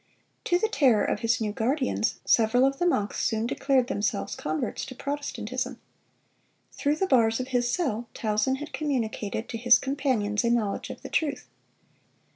To the terror of his new guardians, several of the monks soon declared themselves converts to Protestantism. Through the bars of his cell, Tausen had communicated to his companions a knowledge of the truth.